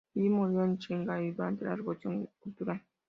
Li murió en Shanghai durante la Revolución Cultural.